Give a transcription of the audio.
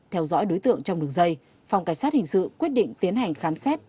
theo dõi đối tượng trong đường dây phòng cảnh sát hình sự quyết định tiến hành khám xét